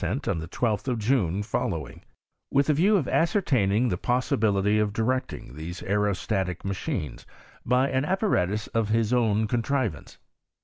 ent on the 12th of June following, widi a view of aHcertaining the possibility of directing these aerostatic machines, by an apparatus of bis own contrivance.